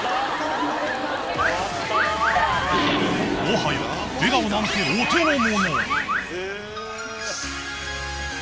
［もはや笑顔なんてお手のもの］